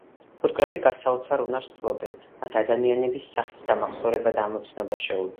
ფუტკრები გასაოცარ უნარს ფლობენ – მათ ადამიანების სახის დამახსოვრება და ამოცნობა შეუძლიათ.